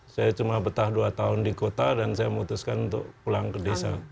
saya cuma betah dua tahun di kota dan saya memutuskan untuk pulang ke desa